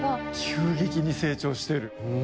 急激に成長してる。